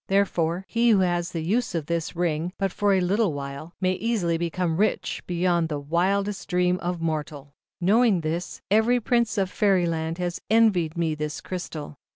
Therefore, he who has the use of this ring, for but a little while, may easily become rich beyond the wildest dream i of mortal. 9 " Knowing this, every Prince of Fairy Land has envied me this Crystal.